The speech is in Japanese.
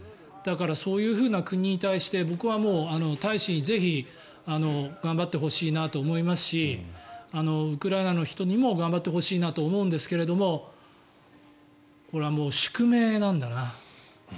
だからそういうふうな国に対して僕は大使にぜひ、頑張ってほしいなと思いますしウクライナの人にも頑張ってほしいなと思うんですがこれは宿命なんだな。